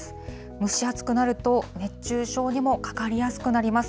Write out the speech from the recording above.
蒸し暑くなると熱中症にもかかりやすくなります。